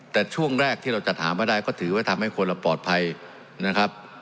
แต่ช่วงแรกที่เราจัดหามาได้ก็ถือว่าทำให้คนเราปลอดภัยนะครับ